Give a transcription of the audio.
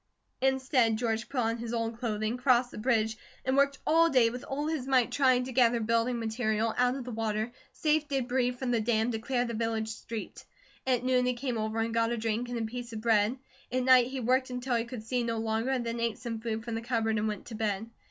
Instead George put on his old clothing, crossed the bridge, and worked all day with all his might trying to gather building material out of the water, save debris from the dam, to clear the village street. At noon he came over and got a drink, and a piece of bread. At night he worked until he could see no longer, and then ate some food from the cupboard and went to bed.